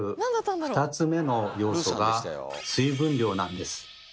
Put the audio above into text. ２つ目の要素が水分量なんです。